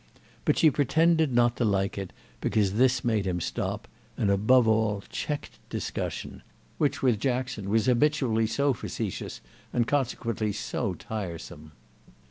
But she pretended not to like it because this made him stop, and above all checked discussion, which with Jackson was habitually so facetious and consequently so tiresome.